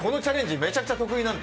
めちゃくちゃ得意なので。